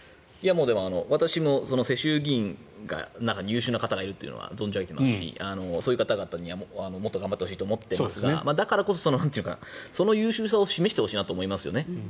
でも、私も世襲議員の中に優秀な方がいるというのは存じ上げていますしそういった方々にはもっと頑張ってほしいと思っていますがだからこそ、その優秀さを示してほしいなと思いますよね。